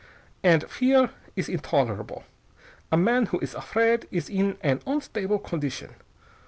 Andt fear is intolerable. A man who is afraid is in an unstable gondition.